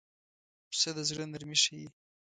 پسه د زړه نرمي ښيي.